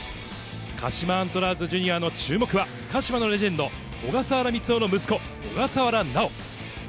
鹿島アントラーズジュニアの注目は、鹿島のレジェンド、小笠原満男の息子、小笠原央。